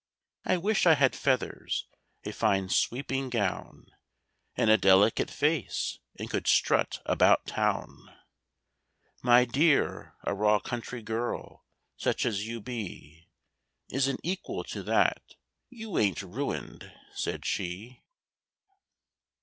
—"I wish I had feathers, a fine sweeping gown, And a delicate face, and could strut about Town!"— "My dear—a raw country girl, such as you be, Isn't equal to that. You ain't ruined," said she.